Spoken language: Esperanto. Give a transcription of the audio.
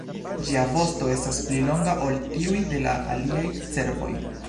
Ĝia vosto estas pli longa ol tiuj de la aliaj cervoj.